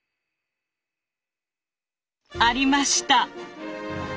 ありました！